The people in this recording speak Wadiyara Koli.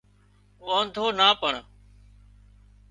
ٻانڌو نا پڻ